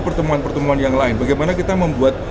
pertemuan pertemuan yang lain bagaimana kita membuat